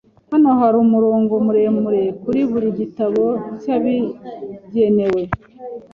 Hano hari umurongo muremure kuri buri gitabo cyabigenewe.